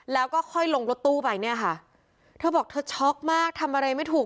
แล้วก็ค่อยลงรถตู้ไปเนี่ยค่ะเธอบอกเธอช็อกมากทำอะไรไม่ถูก